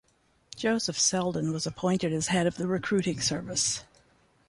Joseph Selden was appointed as head of the recruiting service.